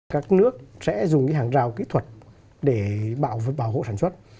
các nước sẽ dùng những hàng rào kỹ thuật để bảo vệ bảo hộ sản xuất